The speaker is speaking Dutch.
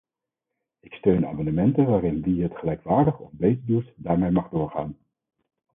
Ik steun amendementen waarin wie het gelijkwaardig of beter doet, daarmee mag doorgaan.